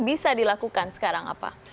bisa dilakukan sekarang apa